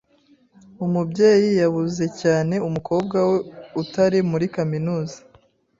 Umubyeyi yabuze cyane. umukobwa we, utari muri kaminuza .